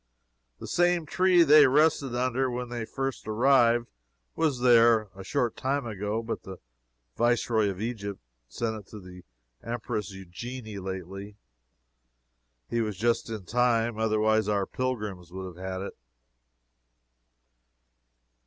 The same tree they rested under when they first arrived, was there a short time ago, but the Viceroy of Egypt sent it to the Empress Eugenie lately. He was just in time, otherwise our pilgrims would have had it.